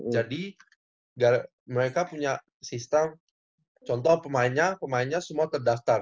jadi mereka punya sistem contoh pemainnya pemainnya semua terdaftar